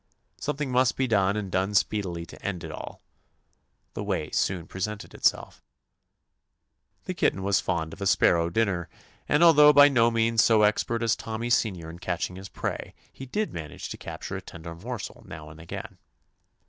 Some thing must be done and done speed ily to end it all. The way soon pre sented itself. The kitten was fond of a sparrow dinner, and although by no means so expert as Tommy Senior in catching his prey, he did manage to capture a tender morsel now and again.